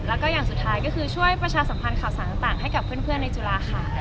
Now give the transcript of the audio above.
แล้วก็อย่างสุดท้ายก็คือช่วยประชาสัมพันธ์ข่าวสารต่างให้กับเพื่อนในจุฬาค่ะ